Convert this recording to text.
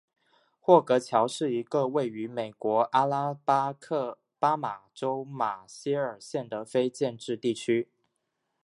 霍格乔是一个位于美国阿拉巴马州马歇尔县的非建制地区。